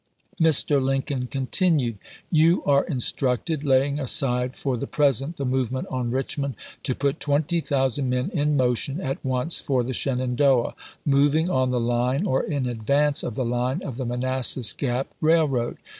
Mr. Lincoln continued : You are instructed, laying aside for the present the movement on Richmond, to put 20,000 men in motion at once for the Shenandoah, moving on the line or in advance of the line of the Manassas Gap Railroad.